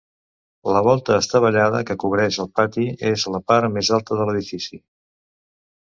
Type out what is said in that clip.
La volta estavellada que cobreix el pati és la part més alta de l'edifici.